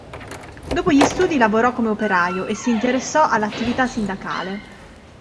Dopo gli studi lavorò come operaio e si interessò all'attività sindacale.